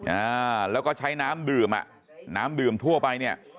อ่าแล้วก็ใช้น้ำดื่มอ่ะน้ำดื่มทั่วไปเนี่ย